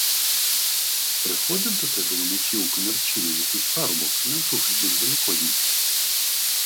Приходив до тебе уночі в комірчину якийсь парубок на другий день великодня?